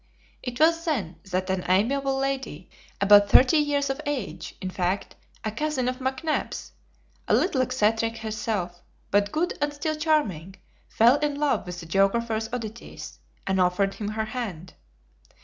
It was then that an amiable lady, about thirty years of age, in fact, a cousin of McNabbs, a little eccentric herself, but good and still charming, fell in love with the geographer's oddities, and offered him her hand.